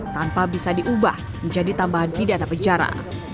tanpa bisa diubah menjadi tambahan pidana penjara